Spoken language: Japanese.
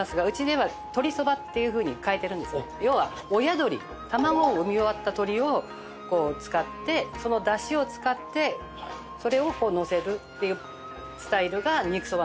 要は親鳥卵を産み終わった鳥を使ってそのだしを使ってそれをのせるっていうスタイルが肉そばなんですよ。